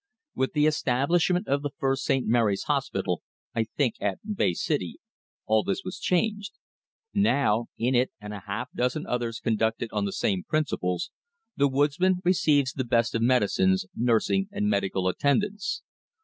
With the establishment of the first St. Mary's hospital, I think at Bay City, all this was changed. Now, in it and a half dozen others conducted on the same principles, the woodsman receives the best of medicines, nursing, and medical attendance.